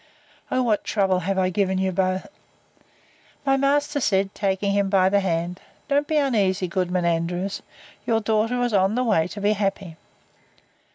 (O what trouble have I given you both!) My master said, taking him by the hand, Don't be uneasy, Goodman Andrews; your daughter is in the way to be happy.